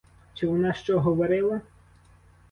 Чи вона що говорила?